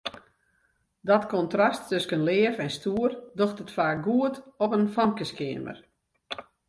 Dat kontrast tusken leaf en stoer docht it faak goed op in famkeskeamer.